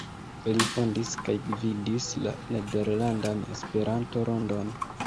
Li fondis kaj gvidis la "Nederlandan Esperanto-Rondon.